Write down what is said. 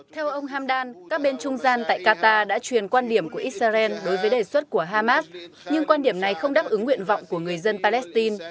theo ông hamdan các bên trung gian tại qatar đã truyền quan điểm của israel đối với đề xuất của hamas nhưng quan điểm này không đáp ứng nguyện vọng của người dân palestine